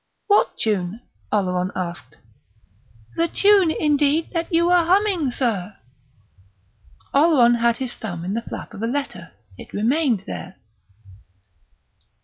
"What tune?" Oleron asked. "The tune, indeed, that you was humming, sir." Oleron had his thumb in the flap of a letter. It remained there.